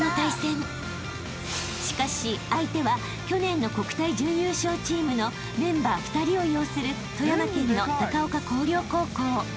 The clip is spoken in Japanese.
［しかし相手は去年の国体準優勝チームのメンバー２人を擁する富山県の高岡向陵高校］